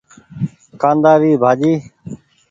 ڪآندآ ري ڀآڃي۔